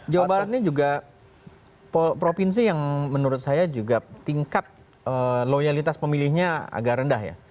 jawa barat ini juga provinsi yang menurut saya juga tingkat loyalitas pemilihnya agak rendah ya